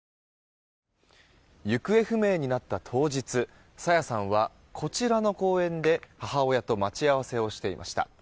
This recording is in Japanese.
行方不明になった当日朝芽さんはこちらの公園で母親と待ち合わせをしていました。